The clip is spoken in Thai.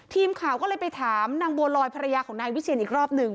ทีมข่าวก็เลยไปถามนางบัวลอยภรรยาของนายวิเชียนอีกรอบหนึ่ง